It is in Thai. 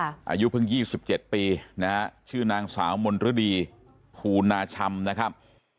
อายุเพิ่งยี่สิบเจ็ดปีนะฮะชื่อนางสาวมณรดีภูนาชำนะครับ